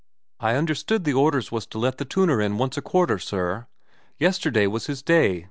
' I understood the orders was to let the tuner in once a quarter, sir. Yesterday was his day.